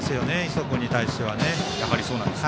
磯君に対してはね。